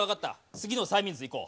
次の催眠術いこう。